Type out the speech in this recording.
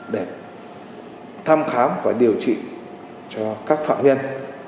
để thăm khám và điều trị cho các phạm nhân